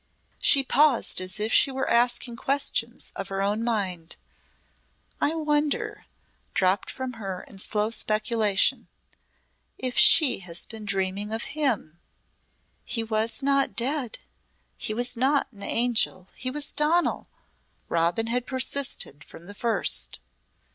She paused as if she were asking questions of her own mind. "I wonder," dropped from her in slow speculation, "if she has been dreaming of him?" "He was not dead he was not an angel he was Donal!" Robin had persisted from the first.